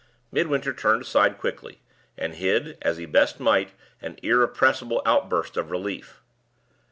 Midwinter turned aside quickly, and hid, as he best might, an irrepressible outburst of relief.